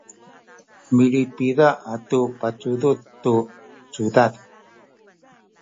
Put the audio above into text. milipida atu patudud tu cudad